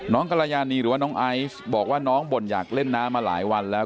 กรยานีหรือว่าน้องไอซ์บอกว่าน้องบ่นอยากเล่นน้ำมาหลายวันแล้ว